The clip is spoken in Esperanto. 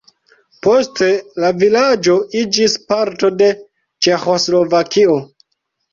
Poste la vilaĝo iĝis parto de Ĉeĥoslovakio.